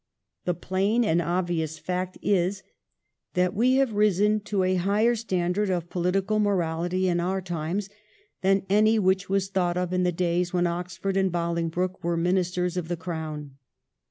The plain and obvious fact is that we have risen to a higher standard of political morality in our times than any which was thought of in the days when Oxford and Bolingbroke were Ministers of the Crown.